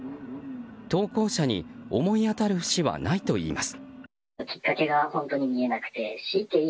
投稿者に思い当たる節はないといいます。